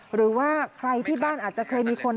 หรือว่าใครที่บ้านอาจจะเคยมีคน